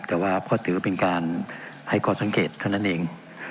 แต่ว่าก็ถือว่าเป็นการให้ข้อสังเกตเท่านั้นเอง